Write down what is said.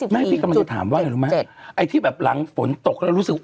ไม่พี่กำลังจะถามว่าอะไรรู้ไหมไอ้ที่แบบหลังฝนตกแล้วรู้สึกว่า